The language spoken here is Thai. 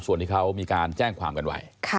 ส่วนที่เขามีการแจ้งความกันไว้